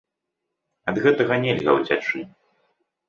Ад гэтага нельга ўцячы.